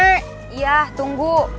ya udah tunggu